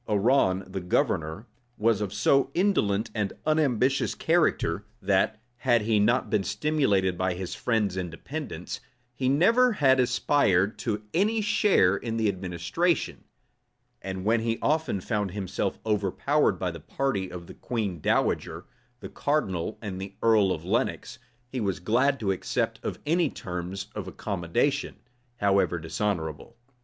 Arran, the governor, was of so indolent and unambitious a character, that, had he not been stimulated by his friends and dependants, he never had aspired to any share in the administration; and when he found himself overpowered by the party of the queen dowager, the cardinal, and the earl of Lenox, he was glad to accept of any terms of accommodation, however dishonorable.